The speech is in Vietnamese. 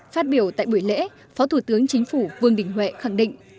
phát biểu tại buổi lễ phó thủ tướng chính phủ vương đình huệ khẳng định